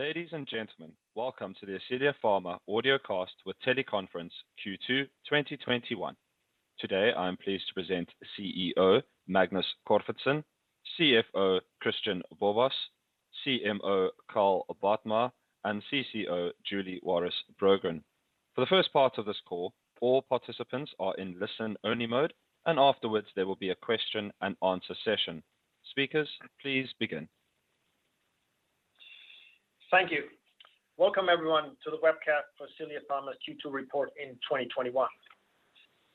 Ladies and gentlemen, welcome to the Ascelia Pharma audiocast with teleconference Q2 2021. Today, I am pleased to present Chief Executive Officer, Magnus Corfitzen, Chief Financial Officer, Kristian Borbos, Chief Medical Officer, Carl Bjartmar, and Chief Commercial Officer, Julie Waras Brogren. For the first part of this call, all participants are in listen-only mode, and afterwards there will be a question and answer session. Speakers, please begin. Thank you. Welcome everyone to the webcast for Ascelia Pharma's Q2 report in 2021.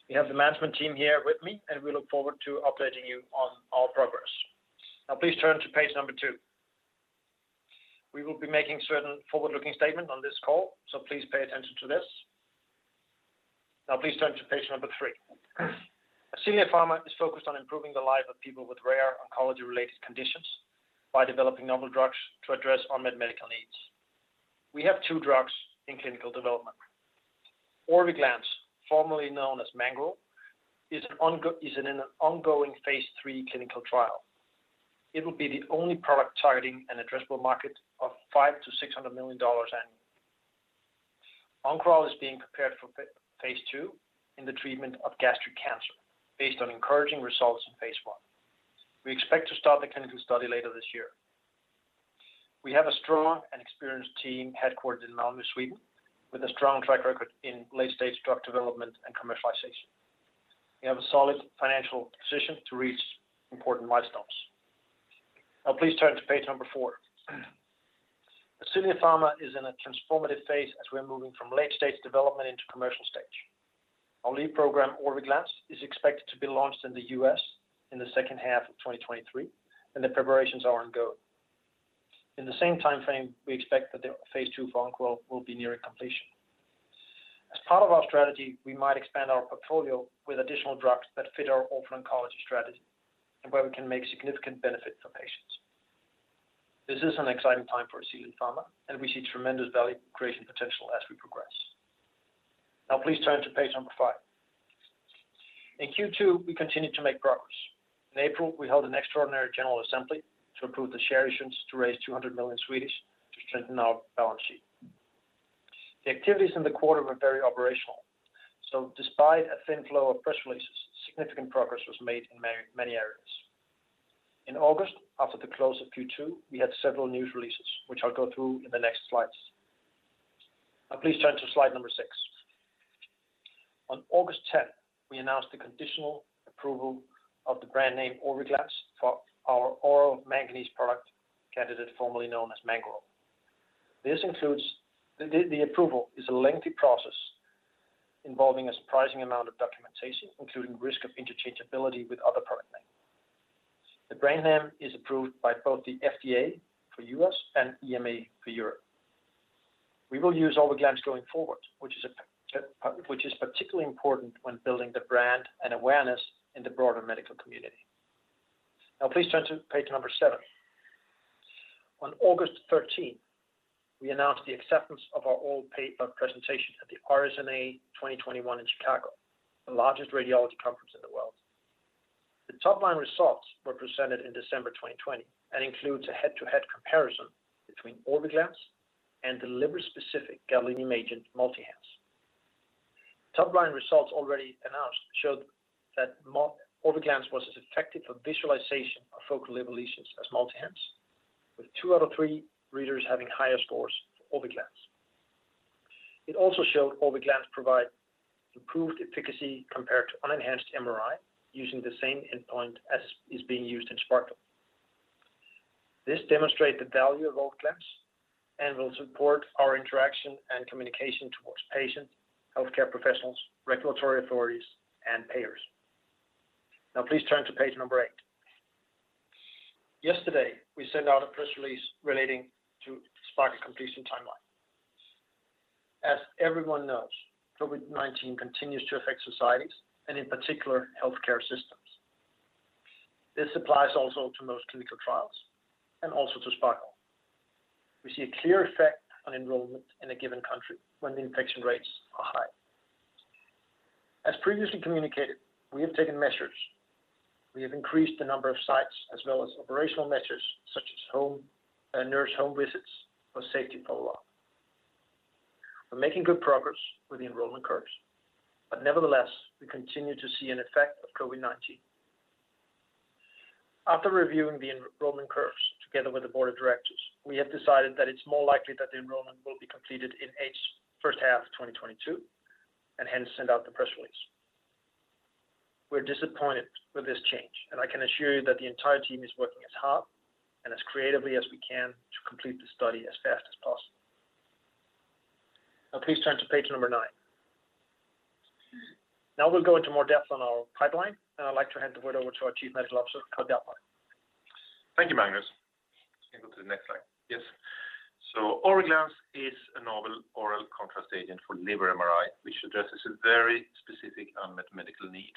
We have the management team here with me, and we look forward to updating you on our progress. Now please turn to page number two We will be making certain forward-looking statement on this call, so please pay attention to this. Now please turn to page number three. Ascelia Pharma is focused on improving the life of people with rare oncology-related conditions by developing novel drugs to address unmet medical needs. We have two drugs in clinical development. Orviglance, formerly known as Mangoral, is in an ongoing phase III clinical trial. It will be the only product targeting an addressable market of $500 million-$600 million annually. Oncoral is being prepared for phase II in the treatment of gastric cancer, based on encouraging results in phase I. We expect to start the clinical study later this year. We have a strong and experienced team headquartered in Malmo, Sweden, with a strong track record in late-stage drug development and commercialization. We have a solid financial position to reach important milestones. Now please turn to page number four. Ascelia Pharma is in a transformative phase as we're moving from late-stage development into commercial stage. Our lead program, Orviglance, is expected to be launched in the U.S. in the second half of 2023, and the preparations are ongoing. In the same timeframe, we expect that the phase II for Oncoral will be nearing completion. As part of our strategy, we might expand our portfolio with additional drugs that fit our orphan oncology strategy, and where we can make significant benefit for patients. This is an exciting time for Ascelia Pharma, and we see tremendous value creation potential as we progress. Please turn to page number five. In Q2, we continued to make progress. In April, we held an extraordinary general assembly to approve the share issuance to raise 200 million to strengthen our balance sheet. The activities in the quarter were very operational. Despite a thin flow of press releases, significant progress was made in many areas. In August, after the close of Q2, we had several news releases, which I'll go through in the next slides. Please turn to slide number six. On August 10th, we announced the conditional approval of the brand name Orviglance for our oral manganese product candidate formerly known as Mangoral. The approval is a lengthy process involving a surprising amount of documentation, including risk of interchangeability with other product names. The brand name is approved by both the Food and Drug Administration for U.S. and European Medicines Agency for Europe. We will use Orviglance going forward, which is particularly important when building the brand and awareness in the broader medical community. Now please turn to page number seven. On August 13th, we announced the acceptance of our oral paper presentation at the Radiological Society of North America 2021 in Chicago, the largest radiology conference in the world. The top-line results were presented in December 2020 and includes a head-to-head comparison between Orviglance and the liver-specific gadolinium agent, MultiHance. Top-line results already announced showed that Orviglance was as effective for visualization of focal liver lesions as MultiHance, with two out of three readers having higher scores for Orviglance. It also showed Orviglance provide improved efficacy compared to unenhanced Magnetic Resonance Imaging, using the same endpoint as is being used in SPARKLE. This demonstrate the value of Orviglance and will support our interaction and communication towards patients, healthcare professionals, regulatory authorities, and payers. Please turn to page number eight. Yesterday, we sent out a press release relating to SPARKLE completion timeline. As everyone knows, COVID-19 continues to affect societies, and in particular, healthcare systems. This applies also to most clinical trials, and also to SPARKLE. We see a clear effect on enrollment in a given country when the infection rates are high. As previously communicated, we have taken measures. We have increased the number of sites as well as operational measures, such as nurse home visits for safety follow-up. We are making good progress with the enrollment curves, but nevertheless, we continue to see an effect of COVID-19. After reviewing the enrollment curves together with the board of directors, we have decided that it is more likely that the enrollment will be completed in first half of 2022, and hence sent out the press release. We're disappointed with this change, and I can assure you that the entire team is working as hard and as creatively as we can to complete the study as fast as possible. Please turn to page number nine. We'll go into more depth on our pipeline, and I'd like to hand the word over to our Chief Medical Officer, Carl Bjartmar. Thank you, Magnus. Can you go to the next slide? Yes. Orviglance is a novel oral contrast agent for liver MRI, which addresses a very specific unmet medical need.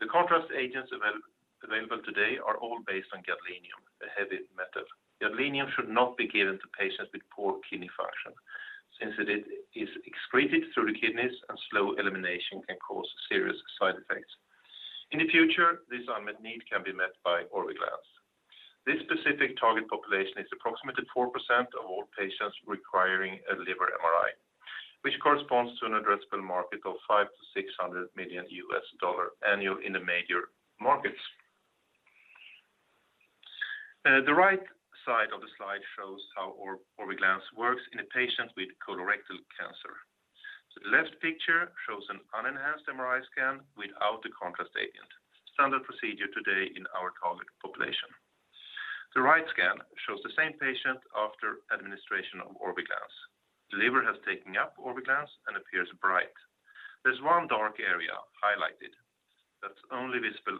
The contrast agents available today are all based on gadolinium, a heavy metal. Gadolinium should not be given to patients with poor kidney function, since it is excreted through the kidneys and slow elimination can cause serious side effects. In the future, this unmet need can be met by Orviglance. This specific target population is approximately 4% of all patients requiring a liver MRI, which corresponds to an addressable market of $500 million-$600 million annually in the major markets. The right side of the slide shows how Orviglance works in a patient with colorectal cancer. The left picture shows an unenhanced MRI scan without the contrast agent, standard procedure today in our target population. The right scan shows the same patient after administration of Orviglance. The liver has taken up Orviglance and appears bright. There's one dark area highlighted that's only visible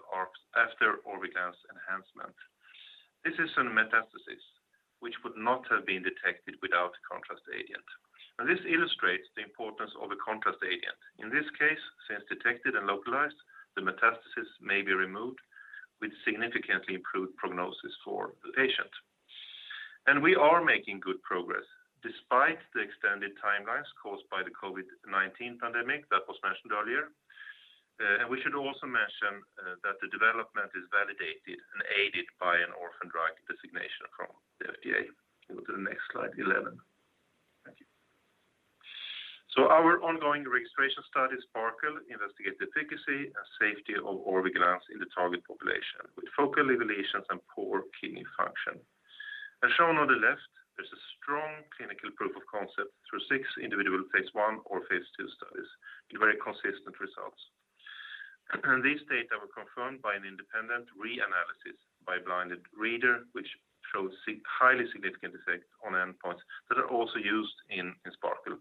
after Orviglance enhancement. This is a metastasis which would not have been detected without contrast agent. This illustrates the importance of a contrast agent. In this case, since detected and localized, the metastasis may be removed with significantly improved prognosis for the patient. We are making good progress despite the extended timelines caused by the COVID-19 pandemic that was mentioned earlier. We should also mention that the development is validated and aided by an orphan drug designation from the FDA. Go to the next slide, 11. Thank you. Our ongoing registration study, SPARKLE, investigates the efficacy and safety of Orviglance in the target population with focal liver lesions and poor kidney function. As shown on the left, there's a strong clinical proof of concept through six individual phase I or phase II studies with very consistent results. These data were confirmed by an independent re-analysis by a blinded reader, which shows highly significant effect on endpoints that are also used in SPARKLE.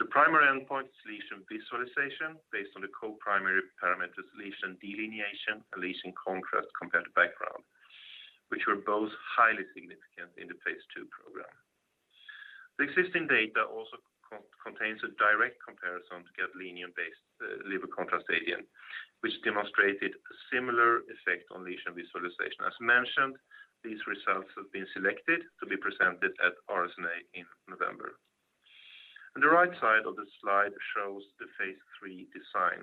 The primary endpoint is lesion visualization based on the co-primary parameters lesion delineation and lesion contrast compared to background, which were both highly significant in the phase II program. The existing data also contains a direct comparison to gadolinium-based liver contrast agent, which demonstrated a similar effect on lesion visualization. As mentioned, these results have been selected to be presented at RSNA in November. On the right side of the slide shows the phase III design.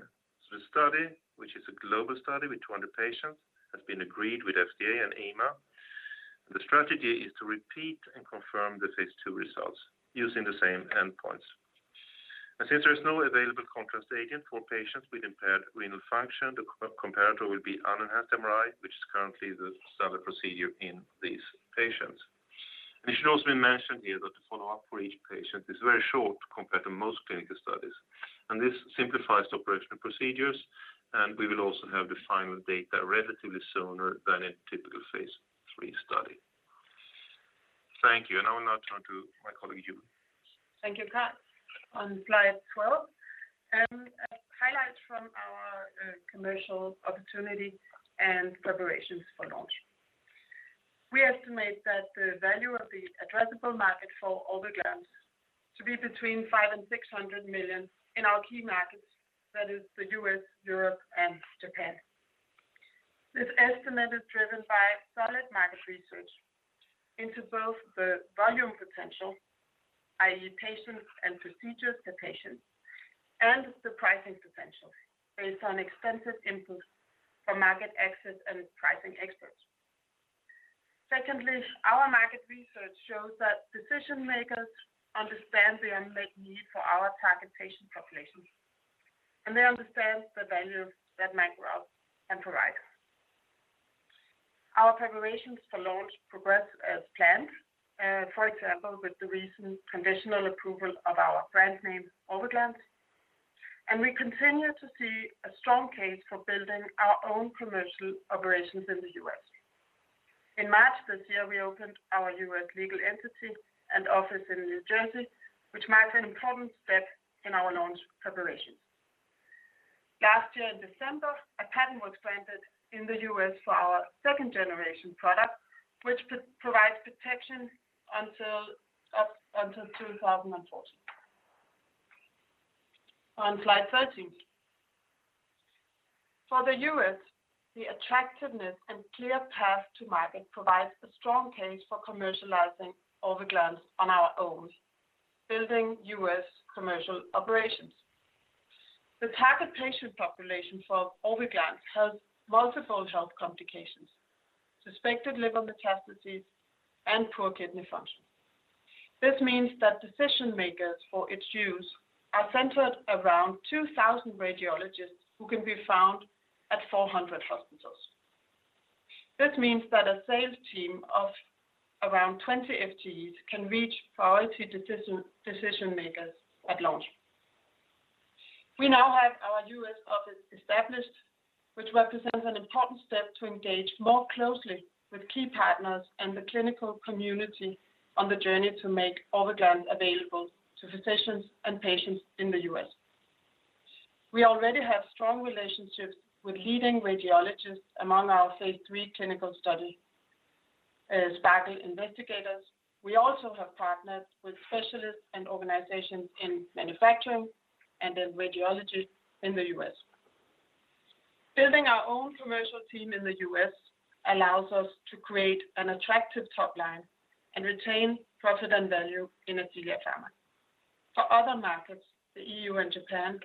The study, which is a global study with 200 patients, has been agreed with FDA and EMA, and the strategy is to repeat and confirm the phase II results using the same endpoints. Since there is no available contrast agent for patients with impaired renal function, the comparator will be unenhanced MRI, which is currently the standard procedure in these patients. It should also be mentioned here that the follow-up for each patient is very short compared to most clinical studies, and this simplifies the operational procedures, and we will also have the final data relatively sooner than a typical phase III study. Thank you. I will now turn to my colleague, Julie Waras Brogren. Thank you, Carl. On slide 12, highlights from our commercial opportunity and preparations for launch. We estimate that the value of the addressable market for Orviglance to be between $500 million-$600 million in our key markets, that is the U.S., Europe, and Japan. This estimate is driven by solid market research into both the volume potential, i.e., patients and procedures per patient, and the pricing potential based on extensive input from market access and pricing experts. Secondly, our market research shows that decision-makers understand the unmet need for our target patient population, and they understand the value that Orviglance can provide. Our preparations for launch progress as planned, for example, with the recent conditional approval of our brand name, Orviglance, and we continue to see a strong case for building our own commercial operations in the U.S. In March this year, we opened our U.S. legal entity and office in New Jersey, which marks an important step in our launch preparations. Last year in December, a patent was granted in the U.S. for our second-generation product, which provides protection up until 2040. On slide 13. For the U.S., the attractiveness and clear path to market provides a strong case for commercializing Orviglance on our own, building U.S. commercial operations. The target patient population for Orviglance has multiple health complications, suspected liver metastases, and poor kidney function. This means that decision-makers for its use are centered around 2,000 radiologists who can be found at 400 hospitals. This means that a sales team of around 20 Full-Time Equivalent can reach priority decision-makers at launch. We now have our U.S. office established, which represents an important step to engage more closely with key partners and the clinical community on the journey to make Orviglance available to physicians and patients in the U.S. We already have strong relationships with leading radiologists among our phase III clinical study SPARKLE investigators. We also have partners with specialists and organizations in manufacturing and in radiology in the U.S. Building our own commercial team in the U.S. allows us to create an attractive top line and retain profit and value in Ascelia Pharma. For other markets, the EU and Japan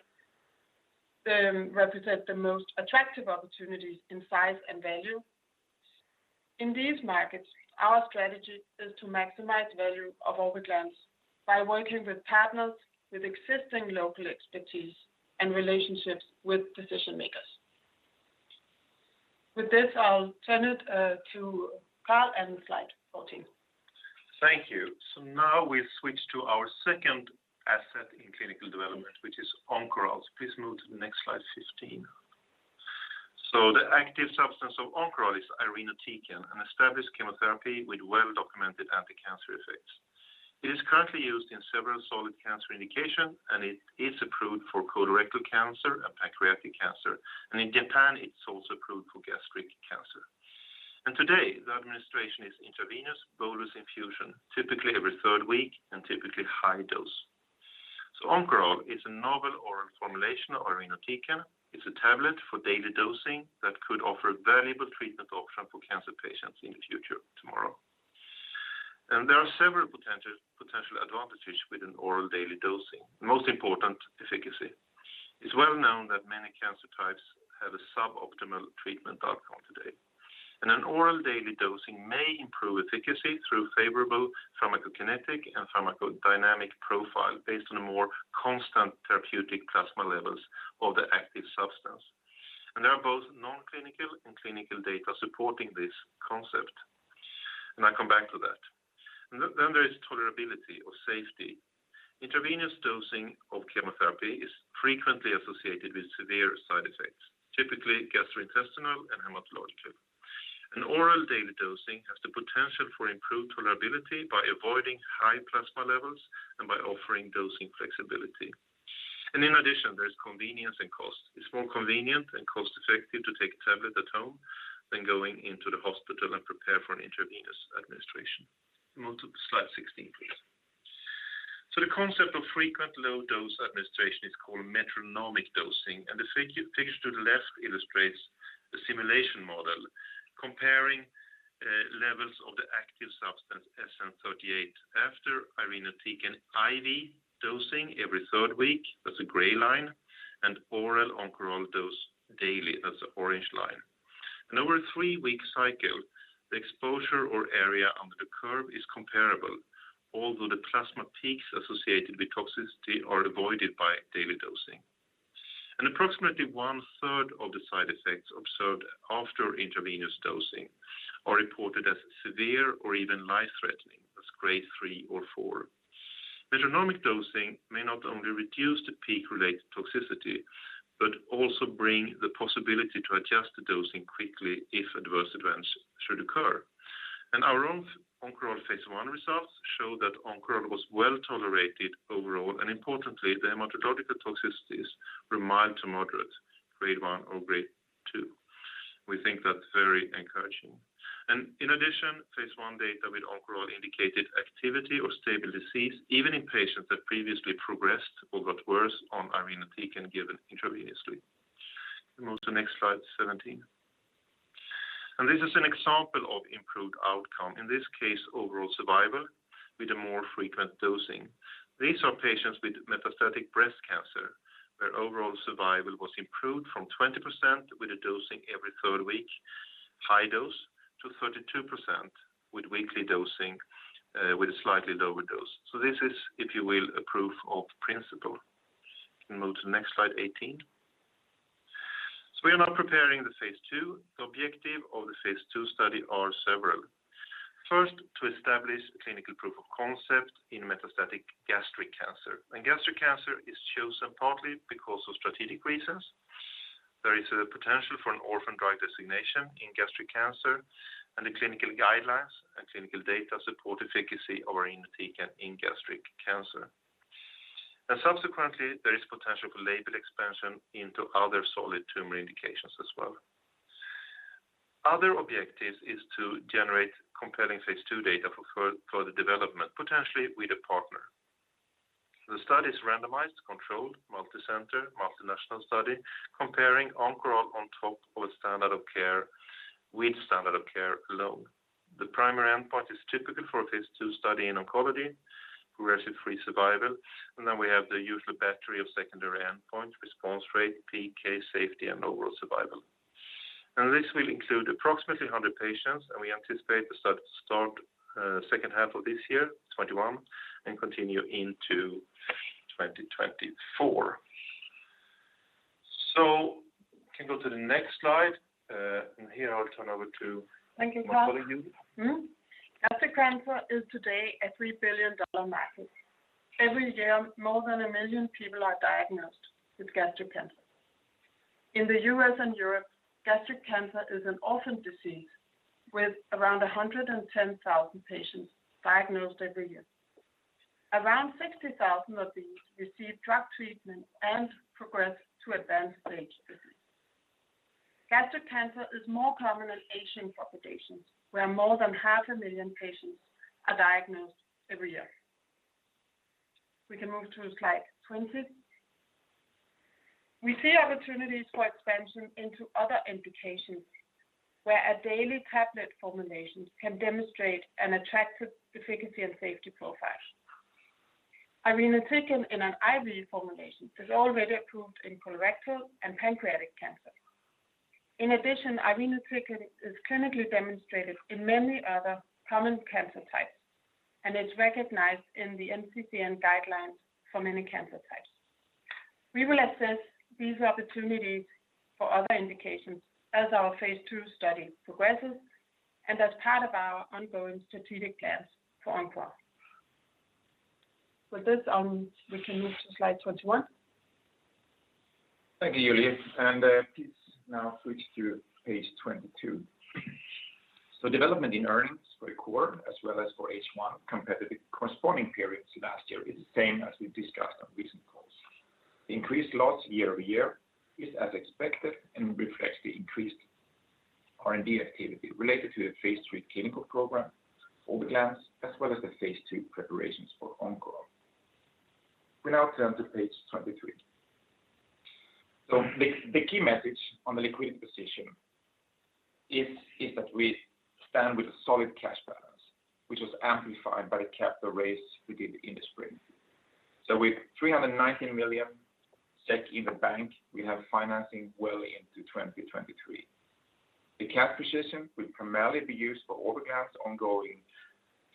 represent the most attractive opportunities in size and value. In these markets, our strategy is to maximize value of Orviglance by working with partners with existing local expertise and relationships with decision-makers. With this, I'll turn it to Carl and slide 14. Thank you. Now we switch to our second asset in clinical development, which is Oncoral. Please move to the next slide, 15. The active substance of Oncoral is irinotecan, an established chemotherapy with well-documented anti-cancer effects. It is currently used in several solid cancer indications, and it is approved for colorectal cancer and pancreatic cancer. In Japan, it's also approved for gastric cancer. Today, the administration is intravenous bolus infusion, typically every third week and typically high dose. Oncoral is a novel oral formulation of irinotecan. It's a tablet for daily dosing that could offer a valuable treatment option for cancer patients in the future, tomorrow. There are several potential advantages with an oral daily dosing, most important, efficacy. It's well known that many cancer types have a suboptimal treatment outcome today, and an oral daily dosing may improve efficacy through favorable pharmacokinetic and pharmacodynamic profile based on a more constant therapeutic plasma levels of the active substance. There are both non-clinical and clinical data supporting this concept, and I come back to that. There is tolerability or safety. Intravenous dosing of chemotherapy is frequently associated with severe side effects, typically gastrointestinal and hematologic. An oral daily dosing has the potential for improved tolerability by avoiding high plasma levels and by offering dosing flexibility. In addition, there's convenience and cost. It's more convenient and cost-effective to take a tablet at home than going into the hospital and prepare for an intravenous administration. Move to slide 16, please. The concept of frequent low-dose administration is called metronomic dosing, and the figure to the left illustrates the simulation model comparing levels of the active substance, SN-38, after irinotecan IV dosing every third week, that's a gray line, and oral Oncoral dose daily, that's the orange line. Over a three-week cycle, the exposure or area under the curve is comparable, although the plasma peaks associated with toxicity are avoided by daily dosing. Approximately 1/3 of the side effects observed after intravenous dosing are reported as severe or even life-threatening, as Grade 3 or Grade 4. Metronomic dosing may not only reduce the peak-related toxicity but also bring the possibility to adjust the dosing quickly if adverse events should occur. Our own Oncoral phase I results show that Oncoral was well-tolerated overall, and importantly, the hematological toxicities were mild to moderate, Grade 1 or Grade 2. We think that's very encouraging. In addition, phase I data with Oncoral indicated activity or stable disease, even in patients that previously progressed or got worse on irinotecan given intravenously. Move to next slide 17. This is an example of improved outcome, in this case, overall survival with a more frequent dosing. These are patients with metastatic breast cancer, where overall survival was improved from 20% with a dosing every third week, high dose, to 32% with weekly dosing with a slightly lower dose. This is, if you will, a proof of principle. We can move to the next slide 18. We are now preparing the phase II. The objective of the phase II study are several. First, to establish clinical proof of concept in metastatic gastric cancer. Gastric cancer is chosen partly because of strategic reasons. There is a potential for an orphan drug designation in gastric cancer, the clinical guidelines and clinical data support efficacy of irinotecan in gastric cancer. Subsequently, there is potential for label expansion into other solid tumor indications as well. Other objectives is to generate compelling phase II data for further development, potentially with a partner. The study is randomized, controlled, multicenter, multinational study comparing Oncoral on top of standard of care with standard of care alone. The primary endpoint is typical for a phase II study in oncology, progression-free survival, then we have the usual battery of secondary endpoint, response rate, Pharmacokinetics, safety, and overall survival. This will include approximately 100 patients, and we anticipate the study to start second half of this year, 2021, and continue into 2024. Can go to the next slide? Here, I'll turn over for you. Thank you, Carl. Gastric cancer is today a SEK 3 billion market. Every year, more than 1 million people are diagnosed with gastric cancer. In the U.S. and Europe, gastric cancer is an orphan disease with around 110,000 patients diagnosed every year. Around 60,000 of these receive drug treatment and progress to advanced stage disease. Gastric cancer is more common in Asian populations, where more than 500,000 patients are diagnosed every year. We can move to slide 20. We see opportunities for expansion into other indications where a daily tablet formulation can demonstrate an attractive efficacy and safety profile. Irinotecan in an IV formulation is already approved in colorectal and pancreatic cancer. In addition, irinotecan is clinically demonstrated in many other common cancer types, and it's recognized in the National Comprehensive Cancer Network guidelines for many cancer types. We will assess these opportunities for other indications as our phase II study progresses and as part of our ongoing strategic plans for Oncoral. With this, we can move to slide 21. Thank you, Julie. Please now switch to page 22. Development in earnings for Q4 as well as for H1 compared to the corresponding periods last year is the same as we discussed on recent calls. The increased loss year-over-year is as expected and reflects the increased Research and Development activity related to the phase III clinical program Orviglance, as well as the phase II preparations for Oncoral. We now turn to page 23. The key message on the liquidity position is that we stand with a solid cash balance, which was amplified by the capital raise we did in the spring. With 319 million SEK in the bank, we have financing well into 2023. The cash position will primarily be used for Orviglance ongoing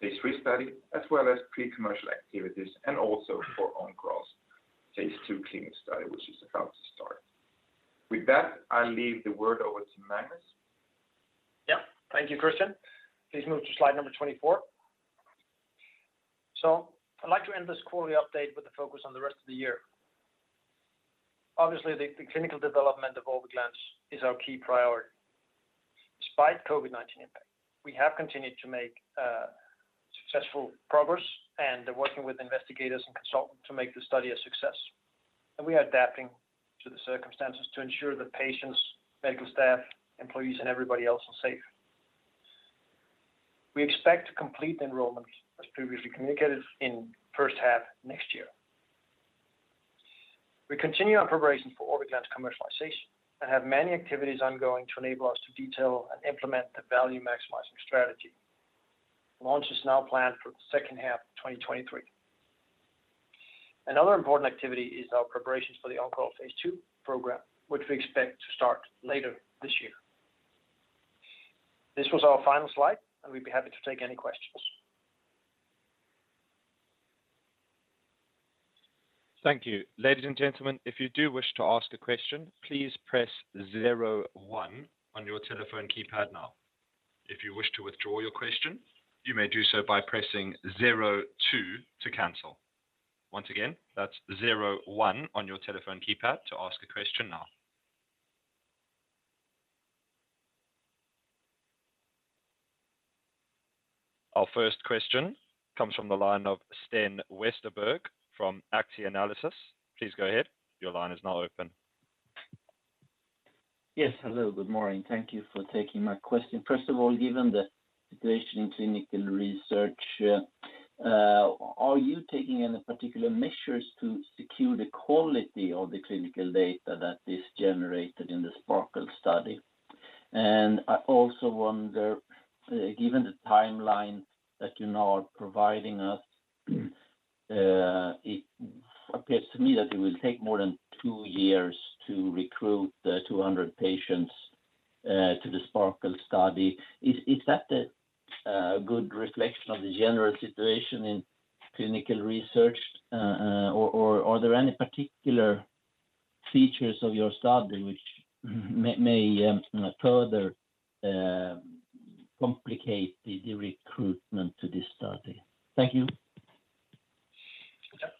phase III study, as well as pre-commercial activities, and also for Oncoral's phase II clinical study, which is about to start. With that, I'll leave the word over to Magnus Corfitzen. Yeah. Thank you, Kristian. Please move to slide number 24. I'd like to end this quarterly update with the focus on the rest of the year. Obviously, the clinical development of Orviglance is our key priority. Despite COVID-19 impact, we have continued to make successful progress, and are working with investigators and consultants to make the study a success. We are adapting to the circumstances to ensure that patients, medical staff, employees, and everybody else is safe. We expect to complete the enrollment, as previously communicated, in first half next year. We continue on preparation for Orviglance commercialization and have many activities ongoing to enable us to detail and implement the value-maximizing strategy. Launch is now planned for the second half of 2023. Another important activity is our preparations for the Oncoral phase II program, which we expect to start later this year. This was our final slide, and we'd be happy to take any questions. Thank you. Ladies and gentlemen, Our first question comes from the line of Sten Westerberg from Analysguiden. Please go ahead. Your line is now open. Yes, hello. Good morning. Thank you for taking my question. First of all, given the situation in clinical research, are you taking any particular measures to secure the quality of the clinical data that is generated in the SPARKLE study? I also wonder, given the timeline that you now are providing us, it appears to me that it will take more than two years to recruit the 200 patients, to the SPARKLE study. Is that a good reflection of the general situation in clinical research? Are there any particular features of your study which may further complicate the recruitment to this study? Thank you.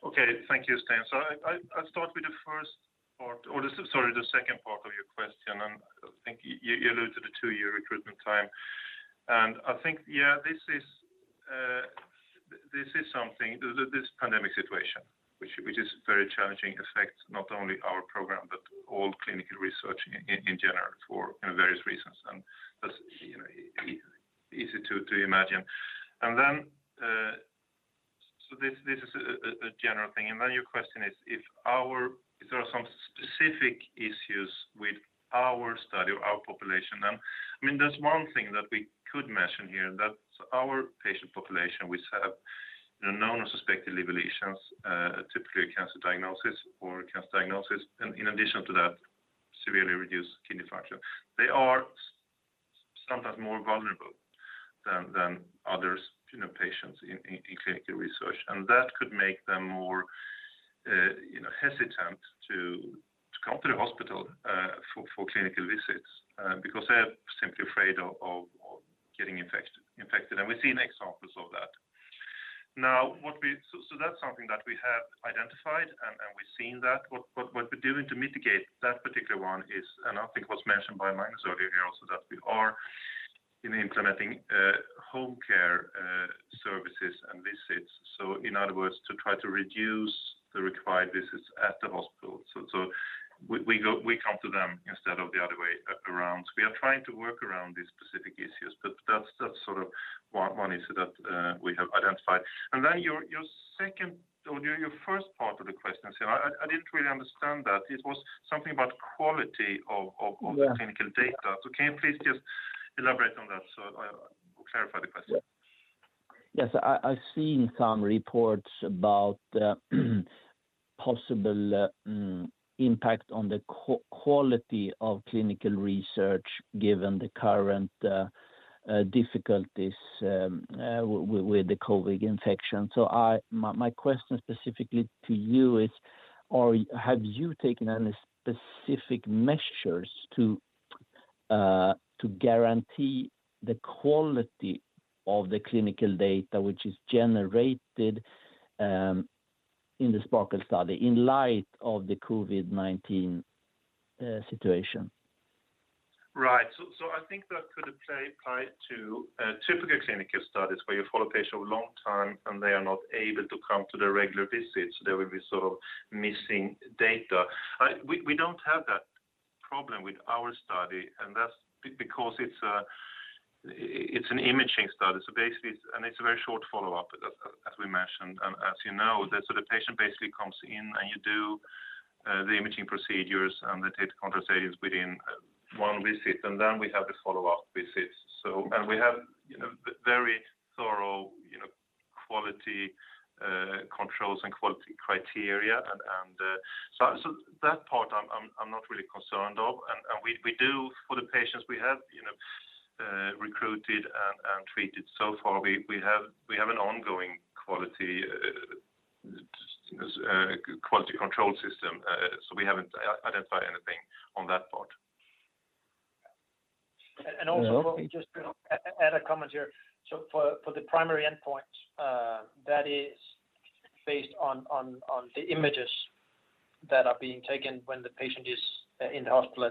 Okay. Thank you, Sten. I'll start with the second part of your question, and I think you alluded to the two-year recruitment time. I think this pandemic situation, which is very challenging, affects not only our program, but all clinical research in general for various reasons. That's easy to imagine. This is a general thing. Your question is, if there are some specific issues with our study or our population, there's one thing that we could mention here, that our patient population, which have known or suspected liver lesions, a cancer diagnosis, and in addition to that, severely reduced kidney function. They are sometimes more vulnerable than other patients in clinical research. That could make them more hesitant to come to the hospital, for clinical visits, because they are simply afraid of getting infected. We've seen examples of that. That's something that we have identified, and we've seen that. What we're doing to mitigate that particular one is, and I think it was mentioned by Magnus earlier here also, that we are implementing home care services and visits. In other words, to try to reduce the required visits at the hospital. We come to them instead of the other way around. Trying to work around these specific issues, but that's one issue that we have identified. Your first part of the question, I didn't really understand that the clinical data. Can you please just elaborate on that, so I clarify the question? Yes. I've seen some reports about the possible impact on the quality of clinical research, given the current difficulties with the COVID-19. My question specifically to you is, have you taken any specific measures to guarantee the quality of the clinical data which is generated in the SPARKLE study in light of the COVID-19 situation? Right. I think that could apply to typical clinical studies where you follow patient a long time, and they are not able to come to the regular visits. There will be sort of missing data. We don't have that problem with our study, and that's because it's an imaging study. Basically, and it's a very short follow-up as we mentioned, and as you know, the patient basically comes in, and you do the imaging procedures and they titrate contrast agents within one visit, and then we have the follow-up visits. We have very thorough quality controls and quality criteria. That part I'm not really concerned of. We do for the patients we have recruited and treated so far, we have an ongoing quality control system. We haven't identified anything on that part. Also just to add a comment here. For the primary endpoint, that is based on the images that are being taken when the patient is in hospital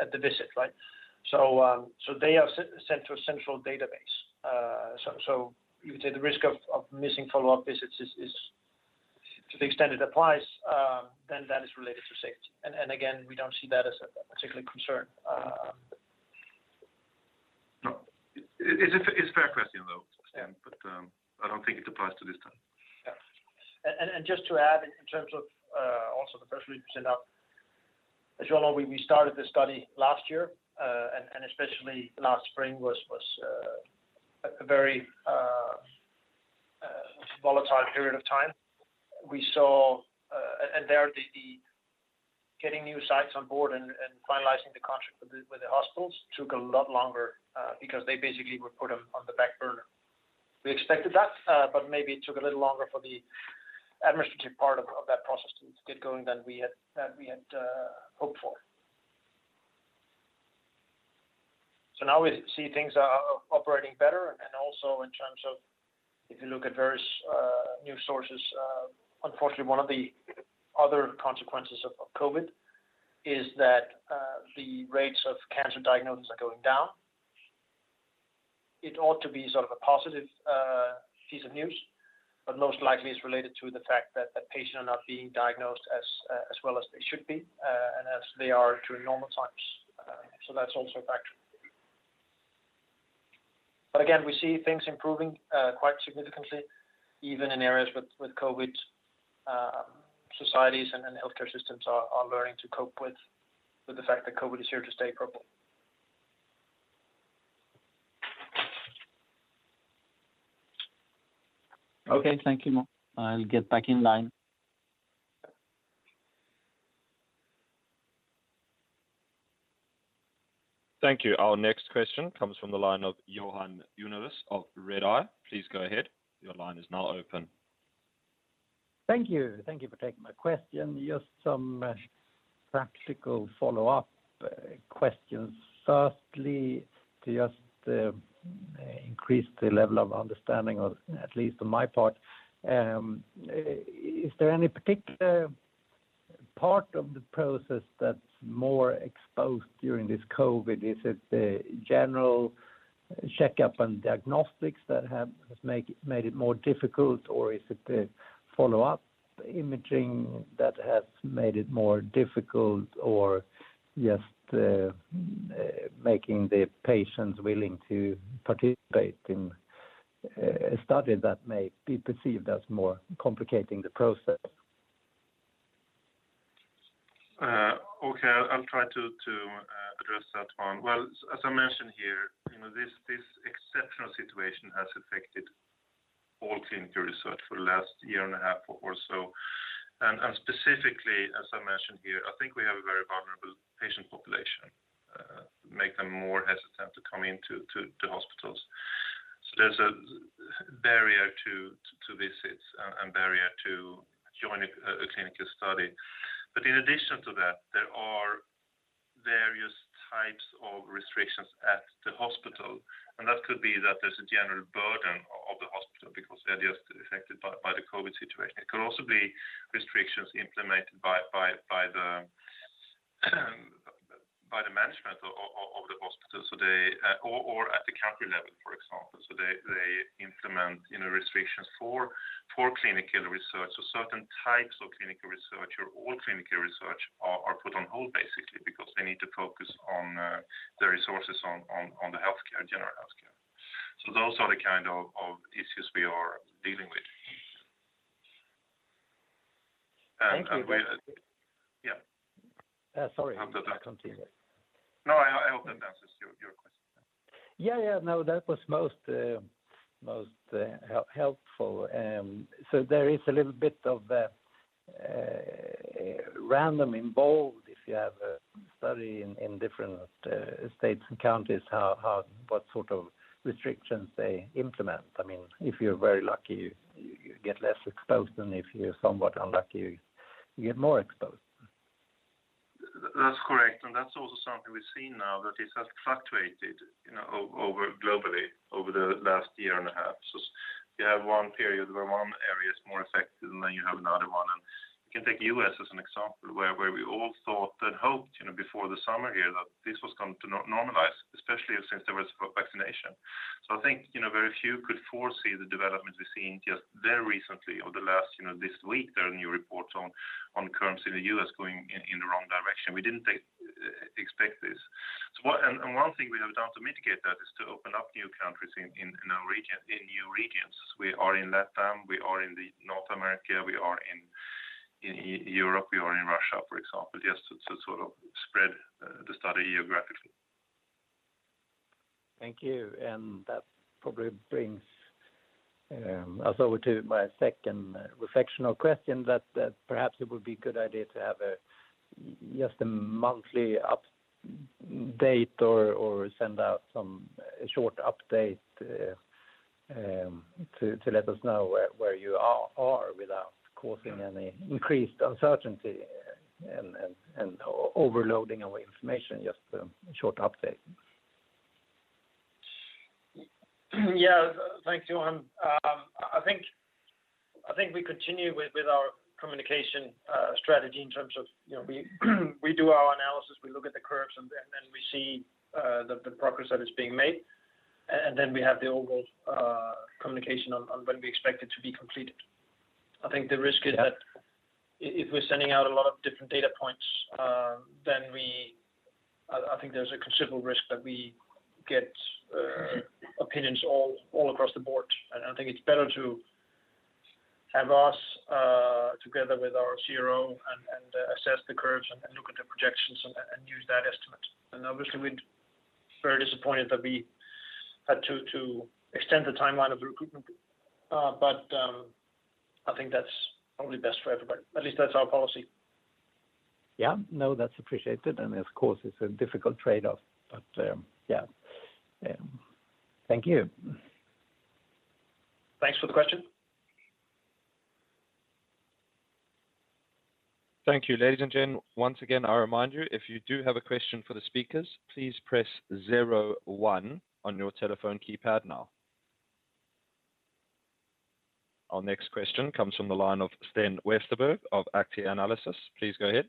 at the visit, right? They are sent to a central database. You could say the risk of missing follow-up visits is, to the extent it applies, then that is related to safety. Again, we don't see that as a particular concern. No. It's a fair question, though, Sten. I don't think it applies to this study. Yeah. Just to add, in terms of also the percentage up, as you all know, we started this study last year, and especially last spring was a very volatile period of time. We saw, and there the getting new sites on board and finalizing the contract with the hospitals took a lot longer, because they basically were put on the back burner. We expected that, but maybe it took a little longer for the administrative part of that process to get going than we had hoped for. Now we see things are operating better and also in terms of if you look at various new sources, unfortunately one of the other consequences of COVID is that the rates of cancer diagnosis are going down. It ought to be sort of a positive piece of news, but most likely it's related to the fact that the patients are not being diagnosed as well as they should be, and as they are during normal times. That's also a factor. Again, we see things improving quite significantly, even in areas with COVID-19, societies and healthcare systems are learning to cope with the fact that COVID-19 is here to stay problem. Okay. Thank you. I'll get back in line. Thank you. Our next question comes from the line of Johan Unnérus of Redeye. Please go ahead. Your line is now open. Thank you. Thank you for taking my question. Just some practical follow-up questions. Firstly, to just increase the level of understanding of, at least on my part, is there any particular part of the process that's more exposed during this COVID-19? Is it the general checkup and diagnostics that have made it more difficult, or is it the follow-up imaging that has made it more difficult? Or just making the patients willing to participate in a study that may be perceived as more complicating the process? Okay. I'll try to address that one. Well, as I mentioned here, this exceptional situation has affected all clinical research for the last year and a half or so. Specifically, as I mentioned here, I think we have a very vulnerable patient population, make them more hesitant to come into hospitals. There's a barrier to visits and barrier to join a clinical study. In addition to that, there are various types of restrictions at the hospital, and that could be that there's a general burden of the hospital because they're just affected by the COVID situation. It could also be restrictions implemented by the management of the hospital or at the country level, for example. They implement restrictions for clinical research or certain types of clinical research or all clinical research are put on hold, basically, because they need to focus their resources on the general healthcare. Those are the kind of issues we are dealing with. Thank you. Yeah. Sorry. Continue. No, I hope that answers your question. Yeah. No, that was most helpful. There is a little bit of random involved if you have a study in different states and counties, what sort of restrictions they implement. If you're very lucky, you get less exposed, and if you're somewhat unlucky, you get more exposed. That's correct, and that's also something we've seen now that it has fluctuated globally over the last year and a half. You have one period where one area is more affected, and then you have another one. You can take the U.S. as an example, where we all thought and hoped, before the summer here, that this was going to normalize, especially since there was vaccination. I think very few could foresee the development we've seen just very recently, or this week, there are new reports on curves in the U.S. going in the wrong direction. We didn't expect this. One thing we have done to mitigate that is to open up new countries in new regions. We are in Latin America, we are in North America, we are in Europe, we are in Russia, for example. Just to sort of spread the study geographically. Thank you. That probably brings us over to my second reflection or question, that perhaps it would be good idea to have just a monthly update or send out some short update to let us know where you are without causing any increased uncertainty and overloading away information. Just a short update. Yeah. Thanks, Johan Unnérus. I think we continue with our communication strategy in terms of we do our analysis, we look at the curves, and we see the progress that is being made, and then we have the overall communication on when we expect it to be completed. I think the risk is that if we're sending out a lot of different data points, I think there's a considerable risk that we get opinions all across the board, and I think it's better to have us together with our Contract Research Organization and assess the curves and then look at the projections and use that estimate. Obviously, we're very disappointed that we had to extend the timeline of the recruitment. I think that's probably best for everybody. At least that's our policy. Yeah. No, that's appreciated. Of course, it's a difficult trade-off, but yeah. Thank you. Thanks for the question. Thank you, ladies and gents. Once again, I remind you, if you do have a question for the speakers, please press zero one on your telephone keypad now. Our next question comes from the line of Sten Westerberg of Analysguiden. Please go ahead.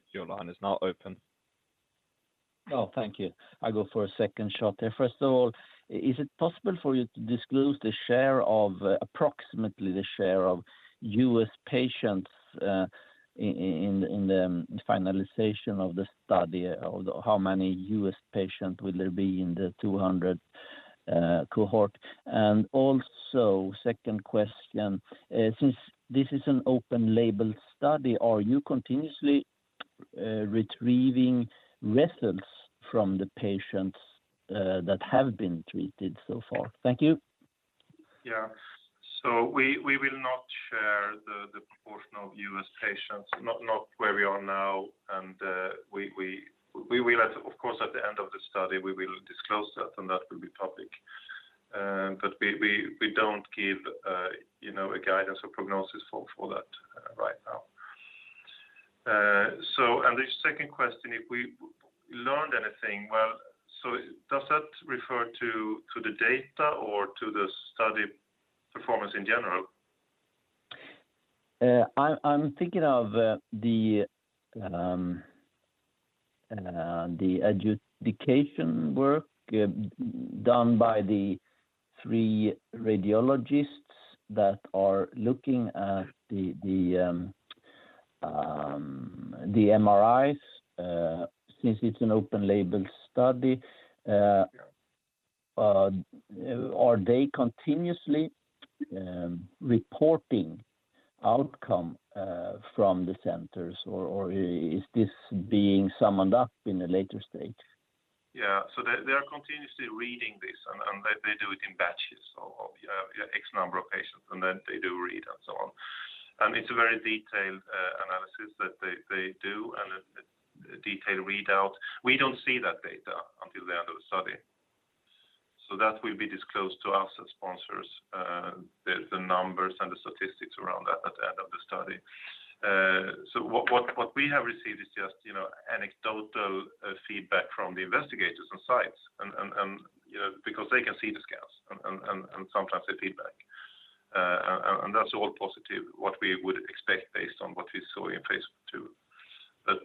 Oh, thank you. I go for a second shot here. First of all, is it possible for you to disclose approximately the share of U.S. patients in the finalization of the study, or how many U.S. patients will there be in the 200 cohort? Second question, since this is an open-label study, are you continuously retrieving results from the patients that have been treated so far? Thank you. Yeah. We will not share the proportion of U.S. patients, not where we are now. Of course, at the end of the study, we will disclose that, and that will be public. We don't give a guidance or prognosis for that right now. The second question, if we learned anything, well, so does that refer to the data or to the study performance in general? I'm thinking of the adjudication work done by the three radiologists that are looking at the MRIs. Since it's an open-label study, are they continuously reporting outcome from the centers, or is this being summed up in a later stage? Yeah. They are continuously reading this, and they do it in batches of X number of patients, and then they do read and so on. It's a very detailed analysis that they do and a detailed readout. We don't see that data until the end of the study. That will be disclosed to us as sponsors, the numbers and the statistics around that at the end of the study. What we have received is just anecdotal feedback from the investigators and sites, because they can see the scans and sometimes they feedback. That's all positive, what we would expect based on what we saw in phase II.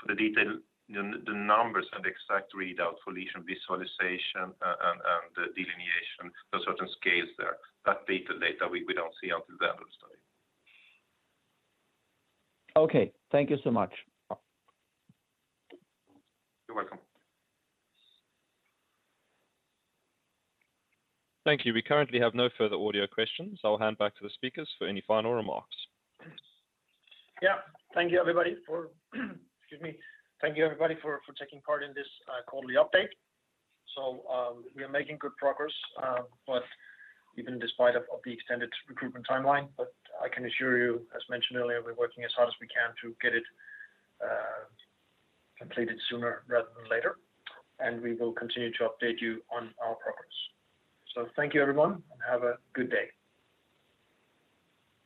For the detail, the numbers and exact readout for lesion visualization and the delineation for certain scales, that data we don't see until the end of the study. Okay. Thank you so much. You're welcome. Thank you. We currently have no further audio questions. I'll hand back to the speakers for any final remarks. Thank you, everybody, for excuse me. Thank you, everybody, for taking part in this quarterly update. We are making good progress even despite the extended recruitment timeline. I can assure you, as mentioned earlier, we're working as hard as we can to get it completed sooner rather than later, and we will continue to update you on our progress. Thank you, everyone, and have a good day.